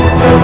aku mau pergi